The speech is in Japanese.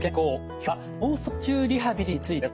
今日は脳卒中リハビリについてです。